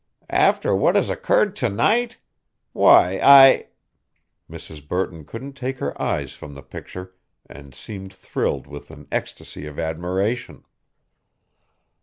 "After what has occurred to night? Why, I" Mrs. Burton couldn't take her eyes from the picture, and seemed thrilled with an ecstasy of admiration.